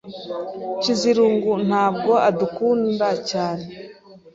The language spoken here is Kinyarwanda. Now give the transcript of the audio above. Nshizirungu ntabwo adukunda cyane.